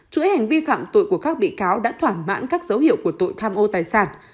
chuỗi hành vi phạm tội của các bị cáo đã thỏa mãn các dấu hiệu của tội tham ô tài sản